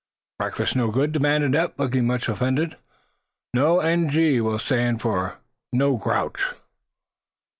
"Breakfast no good?" demanded Eph, looking much offended. "No; 'N.G.' will stand for 'no grouch.'"